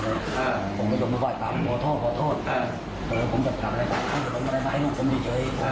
ว่าป่าวพอโทษพอโทษผมจะทำอะไรมาให้นี่เฉย